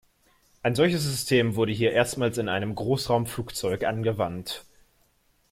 Ein solches System wurde hier erstmals in einem Großraumflugzeug angewandt.